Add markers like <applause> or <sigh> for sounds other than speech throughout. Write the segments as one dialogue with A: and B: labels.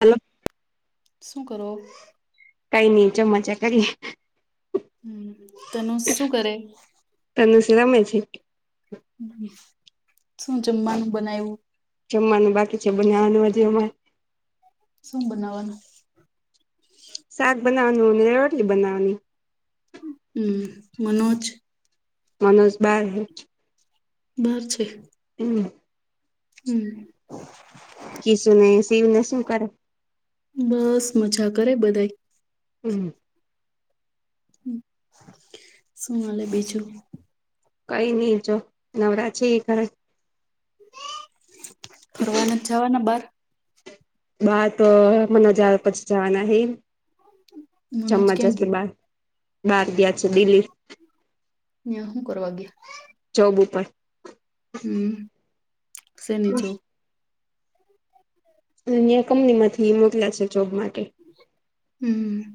A: Hello.
B: શું કરો?
A: કઈ નહી જ <unintelligible> કરી.
B: તમે શું કરે?
A: તમેં શું રમે છે?
B: શું જમવાનું બનાવ્યું?
A: જમવાનું બાકી છે, બનવાનું
B: શું બનાવવાનું?
A: શાક બનાવનું ને રોટલી બનાવની.
B: હમ્મ મનોજ.
A: મનોજ બાર
B: બાર છે.
A: હમ્મ.
B: હમ્મ.
A: કીશુ ને, શીવને શું કરે?
B: બસ મજા કર બધાય.
A: હમ્મ.
B: શું ચાલે બીજું?
A: કઈ નઈ જો નવરા છે ઘરે.
B: ફરવાના નથી જવાના બાર?
A: બાર તો મનોજ આવે પછી જવાના હે
B: મનોજ
A: જમવા
B: ક્યાં
A: જશે
B: ગયા
A: બાર. બહાર ગયા છે દિલ્લી.
B: હમ્મ, ફરવા.
A: જોબ ઉપર.
B: હમ્મ, સેની જોબ?
A: અહીયા કંપનીમાંથી મોકલ્યા છે જોબ માટે.
B: હમ્મ.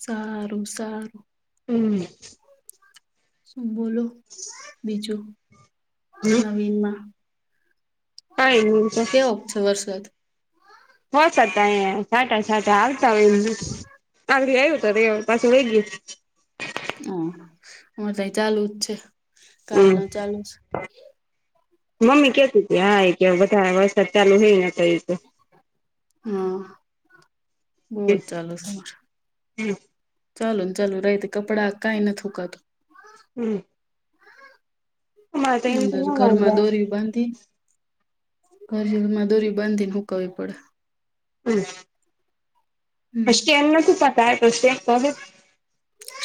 B: સારું, સારું.
A: હમ્મ.
B: શું બોલો બીજું નવીનમાં?
A: કઈનિ.
B: ઓછા વરસાદ
A: વરસાદ ના યે છાંટા- છાંટા આવતા હો એ. <unintelligible> હો તો <unintelligible> પાછું વેગી
B: હા, તઈ ચાલુ જ છે. કાલ
A: હમ્મ.
B: નો ચાલુ છે
A: મમ્મી કેતી કે હા એ કે વધારે વરસાદ ચાલુ થય તો
B: હા બો જ ચાલુ છે.
A: હમ્મ.
B: ચાલુ-ચાલુ રહે તો કપડા કઈ નહી સુકાતા.
A: હમ્મ. એમ તો
B: અંદર
A: ના વાંધો
B: ઘરમાં દોરી બાંધી કરજલમાં દોરી બાંધીને સુકાવી પડે.
A: હમ્મ.
B: હમ
A: પછી એમ નથી થતા <unintelligible>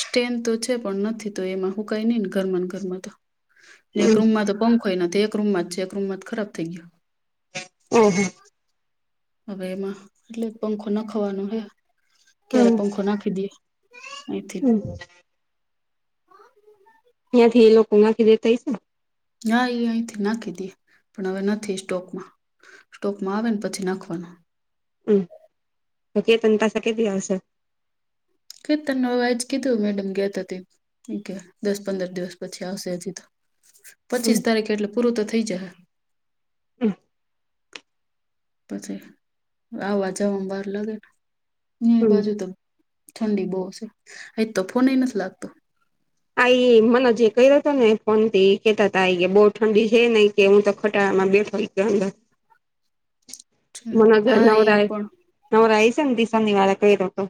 B: સ્ટેન તો છે, પણ નથી તો એમાં હુકાઈ નહી ને ઘરમને ઘરમાં તો. ને એક રૂમમાં તો પંખ હોયને એક રૂમમાં જ છે એક રૂમ જ ખરાબ થઈ ગયા.
A: ઓ હી.
B: હવે એમાં એટલે પંખો નાખવાનો હે ક્યારે પંખો નાખી દેે.
A: હમ્મ. ત્યાં થી એ લોકો નાખી દેતા છે.
B: ના એ અહીંથી નાખી દે પણ હવે નથી સ્ટોકમાં. સ્ટોકમાં આવે ને પછી નાખવાના.
A: તોકી તને ત શ કેતી વા છે.
B: ક ત નવાજ કીધું મેડમ ગયાતા કે દસ પંદર દિવસ પછી આવશે હજી તો.
A: હમ
B: પચીસ તારીખે એટલે પૂરું તો થઇ જશે.
A: હમ.
B: પછી આવવા જવામાં બાર લાગેને, હ્
A: હમ
B: બાજુ તો ઠંડી બો સ એ તો ફોન એ નથ લાગતો.
A: આ એ મને જે કર્યો હતો ને ફોન થી એ કેહેતા હતા કે બહુ ઠંડી છે નહી કે હું તો ખટાડામાં બેઠો. <unintelligible>
B: હા એ પણ.
A: ન ઈસંગ દિવસની વાળ કરીએ <unintelligible> ઈ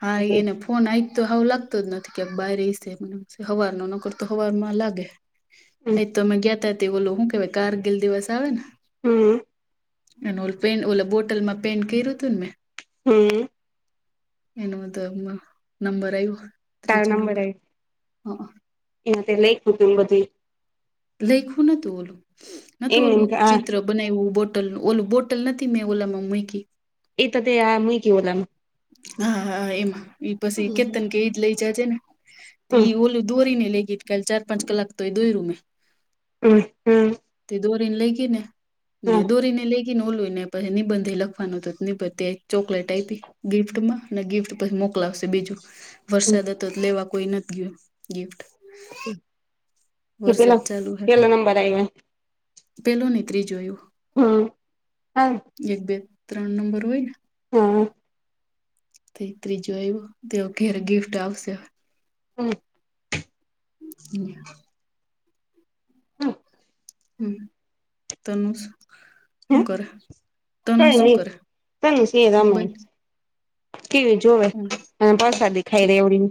B: હા એઈ
A: પછી
B: નં. ફોન આ તો આવ લાગતો જ નથી કે બહાર ઈ મ હવાર ન નકરતો હવારમાં લાગે.
A: હમ
B: એ તો અમે ગયાતા તે બોલો હું કે કારગીલ દિવસ આવે ને
A: હમ.
B: અને ઓ પેન ઓલા બોટલમાં પેન કર્યું હતું મે
A: હમ.
B: એનું તો નબર આવ્યો.
A: તાર
B: ત્રીજો
A: નબરે
B: નંબર
A: આય,
B: હા
A: એના લઈ ટધ બધી.
B: લખવું નતું ઓલું નતુ
A: એમ એમ
B: ઓલું
A: કે આ
B: ચિત્ર. બનાવ બોટલ ઓલું બોટલ નથી મેં ઓલામાં મૂકી.
A: એ તતે આ મુંકે ઓલમ.
B: હા હા એમાં એ પછી
A: હમ
B: કેતન કે એજ લઈ જજે ને.
A: હમ
B: એ ઓલું દોરીને લેગ કાલ ચાર પાંચ કલાક તો એ દોયર્યું મેં.
A: હમ.
B: તે દોરીને લઈ ગઈ ને ને
A: હમ
B: દોરીને લઈ ગ ઓલું ને પછ નિબંધી લખવાનું તોબી ચોકલેટ આપી. ગિફ્ટમાં ને ગિફ્ટ પછી મોકલાવશે બીજું
A: હમ
B: વરસાદ હતો તો લેવા કોઈ નથી ગયો. ગિફ્ટ.
A: કે પેલો
B: વરસાદ ચાલુ હે
A: પેલો નંબર આવ્યો.
B: પેલો ને ત્રીજો આયું.
A: હા હા.
B: એક બે ત્રણ નંબર હોય ન.
A: હા.
B: તે ત્રીજો તેઓ ઘરે ગિફ્ટ આવશે હવ.
A: હમ.
B: હમ. હમ તનું
A: હ
B: શું કર તનું
A: કઈ
B: શું
A: નહી
B: કરે
A: તને સે રમે
B: મોબાઈલ.
A: ટીવી જોવે અને પ્રસાદી ખાઈ
B: ઠીક
A: રે ઓલી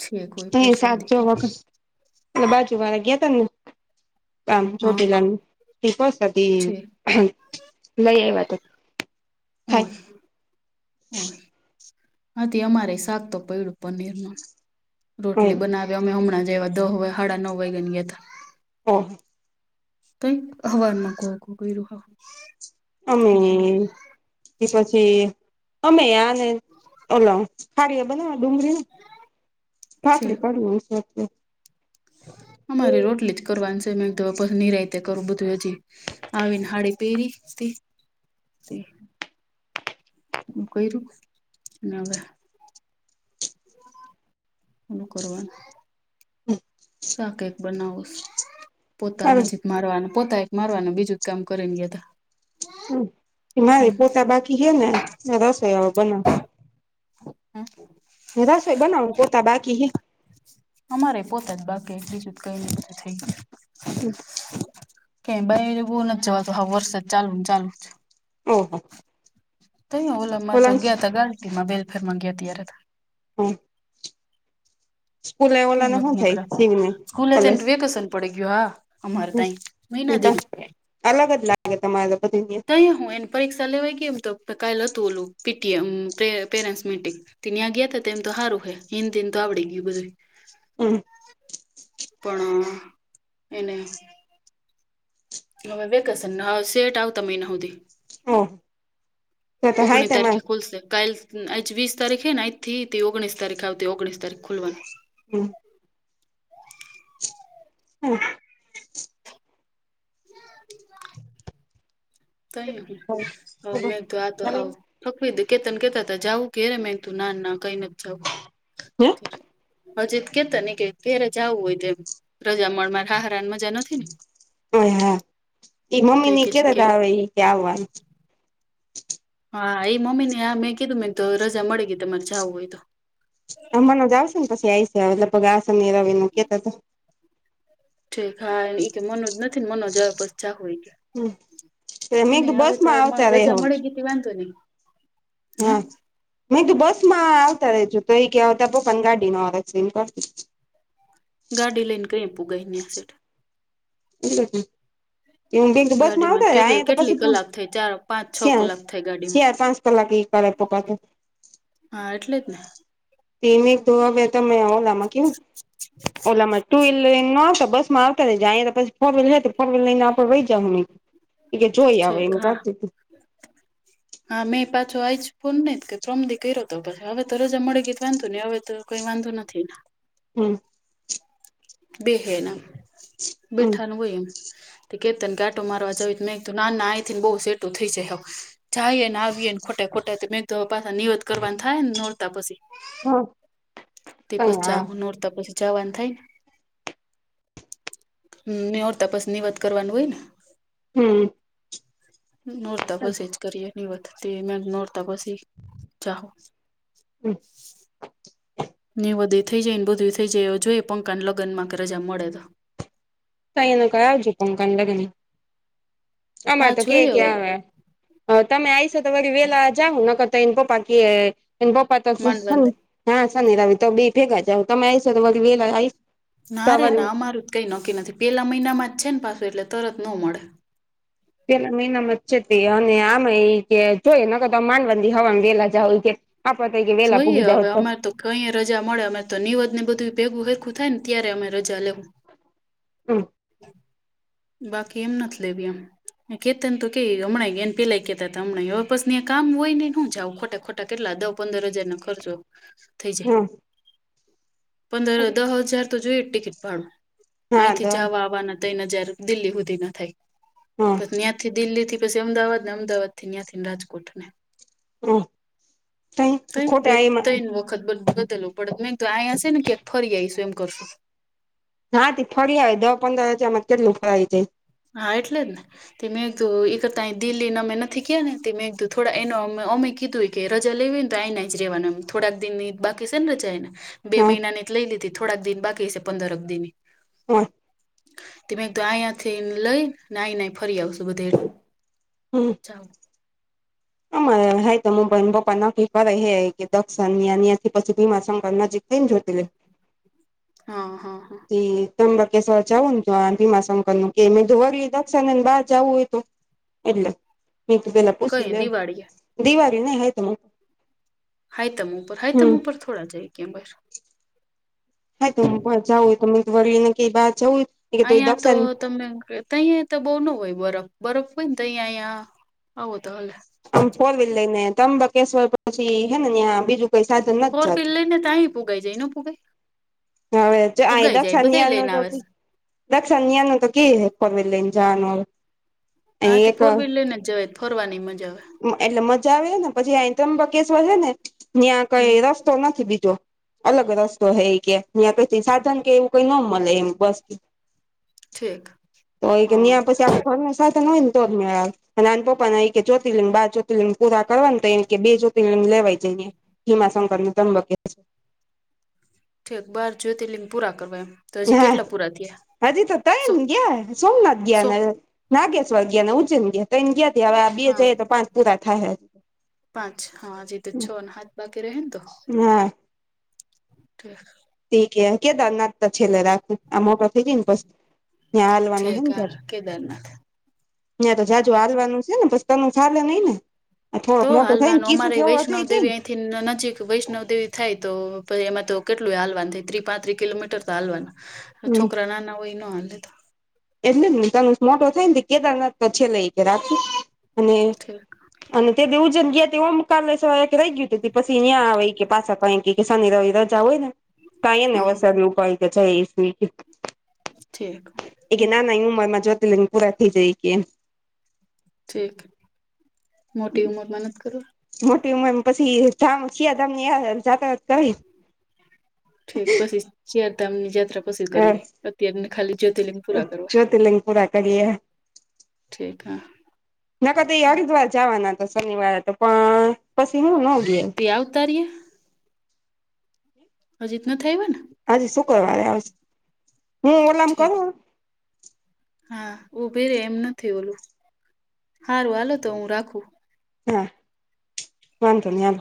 B: છે કોઈ
A: અ
B: પરસાદી
A: સાતજો
B: કઈ
A: વખત એ બાજુ વારા ગયા ત ને આમ
B: હા
A: ચ્યોટીલા ની <unintelligible>
B: છે
A: હ નઈ એ વા તો. ખાય
B: હોય હોય આથી અમારે શાક તો પડું પનીર નુ. રોટલી બનાવ્યા અમે હમણાં જેવા દહ સાડા નવ વાય ગ ન ગયા હતા.
A: ઓહ.
B: ત્ઇ હવારમાં ગોગો કર્યો હ.
A: અમે કે પછી અમે ને ઓલ <inaudible> ફળ એ બનાવ ડુંગળી ને
B: છે
A: ભાખરી કરુ <inaudible>
B: અમારી રોટલી જ કરવાની છે મેં એક નિરાયતે કરવું બધું હજી આવીને હાળી પેરી તે હું ક્યું નહવે <inaudible> કો કરવા શાકેય બને છે
A: સારું
B: પોતાનાજી. મારવાનું પોતા એક મારવાનું બીજું જ કામ કરીને ગયા તા.
A: હ મારે
B: હમ
A: પોતા બાકી છે ને રસોઈ અવ બનાવુ.
B: હમ
A: રસોઈ બનાવું પોતા બાકી હે.
B: અમારે પોતા જ બાકી બીજું જ કઈ જું નથી. કે બહાર બઉ નથી જવાતો હવે વરસાદ ચાલુ ચાલુ
A: ઓહો
B: ત ઓલામાં તો
A: ઓલા
B: ગયા ત ગાર્ટમાં બેલફેર માં ગયા ત્યારે <inaudible>
A: હમ
B: કઈ નથી
A: શું થાય
B: નીકળાતું
A: શિવને
B: સ્કૂલે તેન
A: ઓલા
B: વેકેશન પડી ગયું. હા અમારે તઈ મહિના દિ
A: અલગ જ લાગે તમારે બધું ત્યાં.
B: અહીયા હું એને પરીક્ષા લેવાઈ ગમ તો કાલે હતું ઓલું પીટીએમ પેરેન્ટ્સ મીટિંગ. તન આ ગયા તો તેમમ તો સારું હિન દિન તો આવડીે ગયું બધુય.
A: હમ
B: <inaudible> પણ <inaudible> એને હવે વેકેશન હા સેટ આવતા મહિના સુધી.
A: હા
B: ઓગણી તારીખે ખુલસે કાલ આ વીસ તારીખેને આજથી તે ઓગણીસ તારીખ આવતી ઓગણીસ તારીખ ખોલવાનું.
A: હમ હમ
B: <inaudible> તઈ <unintelligible> તો આ તો હાવ ફકવી દે કેતન કેતા હતા જવું કે ર મે એ તું ના ના કઈ નથ જાવું. અજીત કેતા ને કે ઘેરે જાવું હોય તેમ રજા મળવા માં સાસરા ને મજા નથી ને,
A: ઓ હા એ
B: તો
A: મમ્મી
B: કે
A: ની
B: છે કે
A: કેતા એ કે આવવાનું.
B: હા એ મમ્મી ને મેં કધું મેમ તો રજા મળે ગઈ તમારે જવું હોય તો
A: હમને જ આવશે ને પછી આવી છે લગભગ સની રવિ કહતા તા.
B: ખા ઈ કે મનોજ નથી ને મનોજ આવે પછ જાહુ એ કે,
A: હમ
B: <inaudible>
A: મેં
B: એને
A: કીધું
B: હવે
A: બસ
B: તો
A: માં આવતા
B: રજા
A: રેહો
B: મળે તો ગીતી વાંધો નહી.
A: હા! મેં કીધું તો બસ માં આવતા રેજુ તો એ કે, આવતા પપાને ગાડી માં આવે છે.
B: ગાડી લનને ક્રેમ પુગઈ નેયા સિક.
A: એ <inaudible> હું બીજી બસ માં
B: ગાડીમાં
A: આવતા
B: કેટલી
A: અંયા તો
B: કેટલી
A: પછી્યા
B: કલાક થઈ ચાર પાંચ છ
A: શ્યાાર
B: કલાક થઈ
A: <unintelligible>
B: ગાડીમાં
A: શ્યાર પાંચ કલાક એક તપકાત <inaudible>
B: હા એટલે જ ને,
A: તમ દો બે મે ઓલામાં ક ઓલામાં ટુ વ્હીલ લઈ ન બસ મા પછ ફોર્હીલ લ તો ફોર વહીલ લઈને આપડ રહી જાવ હું કે જોઈ આવે
B: ઠીક
A: એ
B: હા
A: કા <inaudible>
B: હા મેં પાછો આવીઈ જ ફોન નહી કે ફ્રમદી કર્યો હતોછ હવે તો રજા મળી ગઈ વાંધો નહી હવે તો કોઈ વાંધો નથી.
A: હમ
B: બેહેના
A: હમ
B: બેઠાનું હોય એમ. કેતન આટો મારવા જાવ મેં નાના આઈ ને બહુ સેટું થઈ જાય હવે. જાયને આવીએને ખોટા ખોટા તો મે પાછા નિનીવત કરવા થાય ને નોડતા પછી.
A: હા
B: તે
A: કઈ
B: પછ
A: હા
B: ચાવું નરતા પછી જવાનું થાય ને. હમ ઓર તપાસ ની વાત કરવાનું હોય ને.
A: હમ.
B: નોરતા પછી જ કરીએ નની વધ તે મે નોરતા પછી જાહો.
A: હમ.
B: ની વધધી થઈ જાય ને બધી થઈ જાય એવ જોઈ એ પંકાને લગ્નમાં રજા મળે તો
A: તો અહી ન કઈ આવજો પંકકાન લગ્ન
B: હા
A: આમાં, તો કે
B: જોઈએ
A: કે
B: હવે
A: આવે. હ તમે આઈશો તો વ વેલા જાઓ ન કરતા એને પપ્પા કે એન પપ્પા તો
B: માંડવાની
A: હા શનિ રવિ તો બી ભેગા જાવ તમે આ આવીશો તો વેલા આવીશ.
B: ના રે ના અમારું જ કઈ નક્કી નથી પેલા મહિનામાં જ છે ને પાછું એટલે તરત નો મળે.
A: પેલા મહિનામાં છે તે અને આમે એ કે જોઈ ન ક તો માંનવંધી હવા વેલા જ હોય કે. આપવા તૈકે વેલા પૂગીધા જા હતો.
B: કહી રજા મળે અ તો નીવદ ને બધું ભેગું હેગુ થાય ને ત્યારે અમે રજા લેવું.
A: હમ.
B: બાકી એમ નથી લેવી એમ. કેતાન તો કે હમણાં એને પેલાય કેતા હતા હમણાં બસ કામ હોય ને શું જા ખોટા ખો ટા કેટલા દહ પંદર હજાર નો ખર્ચો થઈ જાય.
A: હમ
B: પંદર દહ હજાર તો જોઈ જ ટિકિટ ભાડું
A: હા
B: અહીંથી
A: તો
B: જાવા આવવાના ત્રન હજાર. દિલ્હી સુધી ના થાય
A: હા
B: પછી ન્યા. થી દિલ્હી થી પછી અમદાવાદ ને અમદાવાદ થી ત્યાં ને રાજકોટ ને.
A: હ
B: તઈ
A: ક
B: બે
A: ખોટા આય.
B: ત્રણ વખત બતેલું પડે નહી તો આહીયાશે ને ક્યા ફરી આવીશું એમ કરશું.
A: હાથી ફરી આવે દહ પંદર હજારમાં કેટલું ફરાય જાય.
B: હા એટલે જ ને. તે મે એક દો એક તા દિલ્હી ના ન મેં નથી ગયા ને મે કીધું થોડા મે કીધું. કે રજા લેવી ને તો આયના જ રેવાના થોડાક દિ બાકી છે ને રજા એના. બે
A: હા
B: મહિના જ લઈ લીધી થોડાક દિન બાકી હશે પંદરક દિન.
A: હા.
B: તમે એક તો અહીયાથી લઈ ના નાઈ ફરી આવશું બધે.
A: હમ.
B: ચ.
A: <unintelligible> હા તો હ બ પપ્પા નોકરી કરે હે એકે દક્ષણ ન્યા ન્યા થી પછી ભીમા શંકર નજીક થાય ને જ્યોતિર્લિંગ.
B: હા હા હા.
A: એ ત્રંબકેશ્વર જવું ને જો ભીમા શંકર નું કે વરલી દક્ષણને બહાર જાવું હોય તો. એટલે મે તો પેલા પૂછી લે.
B: <unintelligible>
A: દિવાળ ને આયત મુ
B: હાઈતમ ઉપર હાઈતમ ઉપર થોડા જાય કે બર.
A: હાઈતમ ઉપર જવું હોય તો વળી એમ કઈ બાર જવું. કે તું
B: અહિયાં તો
A: દક્ષિણ
B: તમે. તોહીંયા તો બહુ ન હોય બરફ બરફ હોય ને તો અહીંયા અહીંયા આવો તો હ.
A: આમ ફોર વ્હીલ લઈ ને તંબકેશ્વર પછી હે ને ત્યાં બીજું કઈ સાધન નથી જાત.
B: <unintelligible> પૂગઈ જઈ ન ભૂગઈ.
A: હવે જ આઈ દક્ષા નિયા ન
B: લઈને
A: તો.
B: આવે છે
A: દક્ષા ને ન્યા તો કેવી એપોઇન્ટમેન્ટ લઈને જવાનો હવે
B: હા તે
A: એક
B: ફોર વ્હીલર ને જ ફોરવાની મજા આવે.
A: એટલે મજા આવે હે ને પછી અ ત્રંબકેશ્વર છે ને ત્યાં
B: હમ
A: કઈ રસ તો નથી બીજો અલગ રસ્તો હે ઇ કે ત્યા કઈ સાધન કે એવું કઈ ન મળે એમ બસ
B: <inaudible>
A: તો કે
B: હા
A: ન્યા પછી આપ ઘરના સાધન હોય ને તો જ મે નાન પપા ના કે થી લઈને બાર જ્યોતિર્લીંગ પુરા કરવા ને તો એ કે બે જ્યોતિર્લીંગ લેવાઈ જઈએ ભીમાશંકર ને ત્રંબકેશ્વર
B: ઠીક બાર જ્યોતિર્લિંગ પૂરા કરવા એમ તો હજી કેટલા પૂરા થયા
A: હા હજી તો તાય
B: સો
A: ને ગયા સોમનાથ ગયા
B: સો
A: ને નાગેશ્વર ગયા ને, ઉજ્જૈન ગયા તન ગયાથી હવે આ બે
B: હા
A: જઈએ તો પાંચ પૂરા થાય.
B: પાંચ હા હજી તો છ હાથ બાકી રહે ને તો.
A: હા ઠીક હ કેદારનાથ તો છેલ્લે રાખ. આમ મોટા થય જઈને પછી ત્યાં હાલવાનું હ
B: ઠીક
A: ને સારું.
B: હા કેદારનાથ.
A: ના તો
B: હ
A: જાજુ
B: હ
A: હાલવાનું છે ને પછ તનું સાર નહી ને. આ થોડોક મોટો થાય નકીશુ જે એવો થઈ જાય ને.
B: થી નજીક વૈષ્ણવ દેવી થાય તો પછી એમાં તો કેટલું હાલવાન થાય ત્રી પાંત્રી કિલોમીટર ચાલવાના છોકરા ના ના હોય ન હા
A: એટલેને તનુસ મોટો થાય ને કેદારનાથ તો છેલ્લે કે રાખું અને
B: ઠીક
A: અને તે ઉજન ગયા ઓમકાલે સવા રહી ગયું ત પછી નયાં આવે કે પાછા કંઈક કે શનિ રવિ રાજા હોય ને.
B: હમ્મ.
A: કઈ નવસા લ ઉપાય કે છે એસી.
B: ઠીક.
A: એ કે
B: હમ
A: ના નાની ઉંમર જોને પૂરા થઈ જાય કે એમ.
B: ઠીક મોટી ઉમર માં નઈ કરું.
A: મોટી ઉંમર પછી ધામ શિયાધામની જાત્રા કરિ.
B: ઠીક પછી ચારધામ ની યાત્રા પછી કરવી અત્યારને ખાલી જ્યોતિલિને પૂરા કરવા.
A: પુરા કરી દયા.
B: ઠીક હ.
A: નકત એ હરિદ્વાર જવાના હતો શનિવારે તો પણ પછી હું ન ગયો.
B: તે આવતા રવિવારે. હ જત નું થઈવે ને.
A: હજે શુક્રવારે આવશે. હું ઓલામ
B: ઠીક
A: કરું.
B: હા ઉભી રે એમ નથી. ઓલું સારું હાલો તો હું રાખું.
A: હા. વાંધો નઈ.